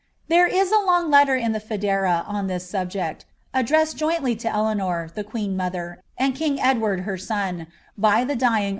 There is a long letter in the FcBdera on this subject, addressed jointly > Eleanor, the qneen mother, and king Edward her son, by the dying 'HWeitminster.